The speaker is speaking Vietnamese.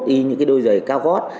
đi những đôi giày cao gót